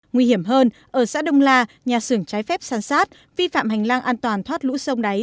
nguy hiểm hơn ở xã đông la nhà xưởng trái phép sàn sát vi phạm hành lang an toàn thoát lũ sông đáy